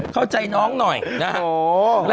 เข้าใจน้องหน่อยนะฮะ